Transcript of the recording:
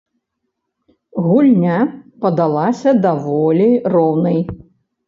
Гульня падалася даволі роўнай.